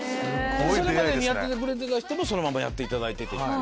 それまでにやってくれてた人もそのままやっていただいて。